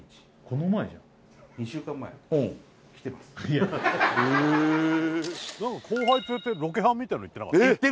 この前じゃん何か後輩連れてロケハンみたいの行ってなかった？